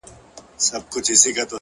علم د حل لارې پیدا کوي.